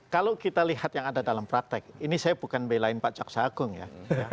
kalau kita lihat yang ada dalam praktek ini saya bukan belain pak jaksa agung ya